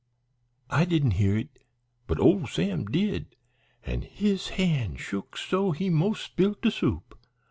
I didn't hear it, but ole Sam did, an' his han' shook so he mos' spilt de soup.